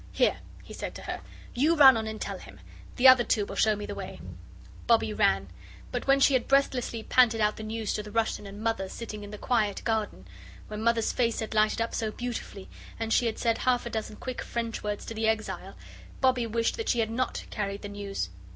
"Here," he said to her, "you run on and tell him. The other two will show me the way." Bobbie ran. But when she had breathlessly panted out the news to the Russian and Mother sitting in the quiet garden when Mother's face had lighted up so beautifully, and she had said half a dozen quick French words to the Exile Bobbie wished that she had NOT carried the news.